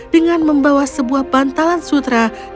dengan membawa sebuah bantalan sutra